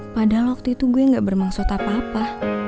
padahal waktu itu gue gak bermaksud apa apa